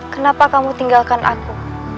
kenapa kamu tinggalkan aku